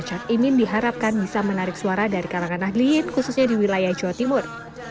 cak imin diharapkan bisa menarik suara dari kalangan ahliin khususnya di wilayah jawa timur